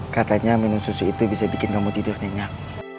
katanya minum susu itu bisa bikin kamu tidur nyenyak